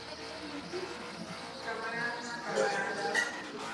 Myslím, že je to naprosto žádoucí cíl.